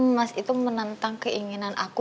mas itu menantang keinginan aku